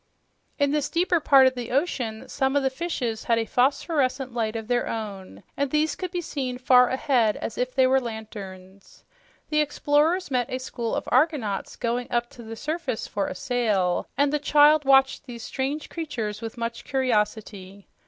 In this deeper part of the ocean some of the fishes had a phosphorescent light of their own, and these could be seen far ahead as if they were lanterns. The explorers met a school of argonauts going up to the surface for a sail, and the child watched these strange creatures with much curiosity.